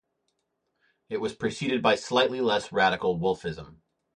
It was preceded by slightly less radical Wolffism.